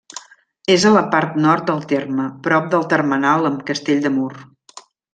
És a la part nord del terme, prop del termenal amb Castell de Mur.